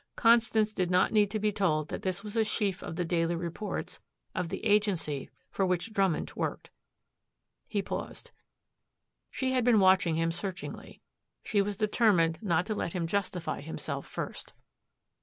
Constance did not need to be told that this was a sheaf of the daily reports of the agency for which Drummond worked. He paused. She had been watching him searchingly. She was determined not to let him justify himself first.